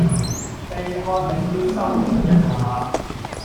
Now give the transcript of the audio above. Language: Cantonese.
被喝令要收歛一下